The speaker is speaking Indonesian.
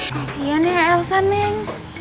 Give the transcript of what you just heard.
kasian ya elsa neng